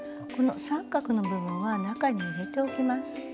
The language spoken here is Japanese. この三角の部分は中に入れておきます。